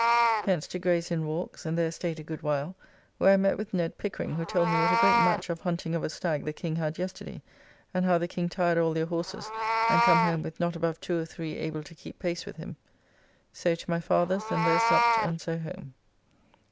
Hence to Graye's Inn walks, and there staid a good while; where I met with Ned Pickering, who told me what a great match of hunting of a stagg the King had yesterday; and how the King tired all their horses, and come home with not above two or three able to keep pace with him. So to my father's, and there supped, and so home.